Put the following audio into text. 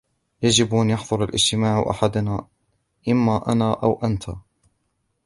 يجب أن يحضر الاجتماع أحدنا ، إما أنا أو أنت.